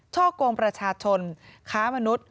ช่อกงประชาชนค้ามนุษย์